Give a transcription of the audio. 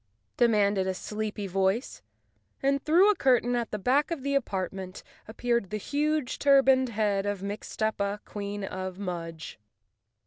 demanded a sleepy voice, and through a curtain at the back of the apart¬ ment appeared the huge, turbaned head of Mixtuppa, Queen of Mudge.